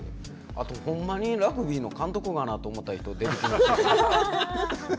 あとホンマにラグビーの監督かなと思った人出てきました。